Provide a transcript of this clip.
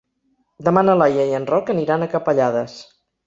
Demà na Laia i en Roc aniran a Capellades.